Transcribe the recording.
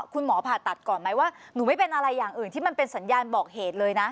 คุณหมอผ่าตัดก่อนไหมว่าหนูไม่เป็นอะไรอย่างอื่นที่มันเป็นสัญญาณบอกเหตุเลยนะ